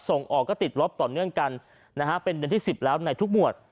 ส่งออกก็ติดลบต่อเนื่องกันนะฮะเป็นเดือนที่๑๐แล้วในทุกหมวด